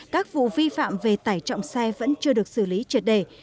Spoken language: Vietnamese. các vụ vi phạm về tải trọng xe vẫn chưa được xử lý triệt đề